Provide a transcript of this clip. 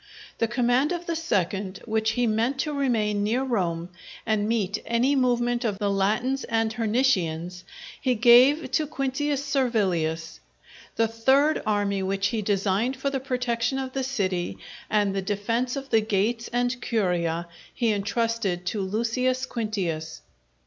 The command of the second, which he meant to remain near Rome and meet any movement of the Latins and Hernicians, he gave to Quintius Servilius. The third army, which he designed for the protection of the city, and the defence of the gates and Curia, he entrusted to Lucius Quintius.